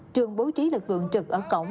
trường bố trí lực lượng trực ở cổng